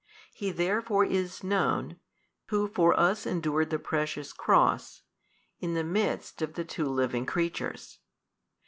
He therefore is known, Who for us endured the Precious Cross, in the midst of the two living creatures.